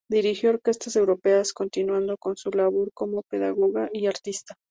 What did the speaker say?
Dirigió orquestas europeas continuando con su labor como pedagoga y artista.